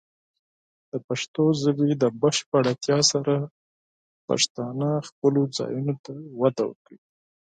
د پښتو ژبې د بشپړتیا سره، پښتانه خپلو ځایونو ته وده ورکوي.